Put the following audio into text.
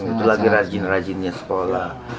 itu lagi rajin rajinnya sekolah